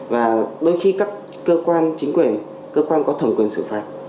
và đôi khi các cơ quan chính quyền cơ quan có thẩm quyền xử phạt